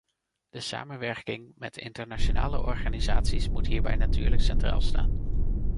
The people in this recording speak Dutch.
De samenwerking met internationale organisaties moet hierbij natuurlijk centraal staan.